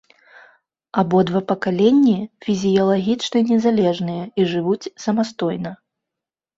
Абодва пакаленні фізіялагічна незалежныя і жывуць самастойна.